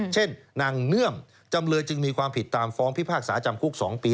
เช่นนางเนื่อมจำเลยจึงมีความผิดตามฟ้องพิพากษาจำคุก๒ปี